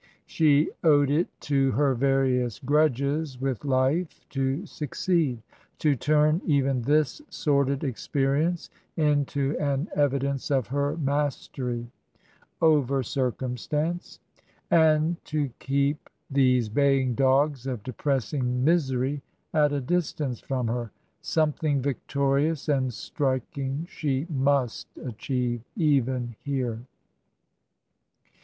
She owed it to her various grudges with life to succeed, to turn even this sordid experience into an evidence of her mastery over circumstance, and to keep these baying dogs of de pressing misery at a distance from her. Something victorious and striking she must achieve — even here.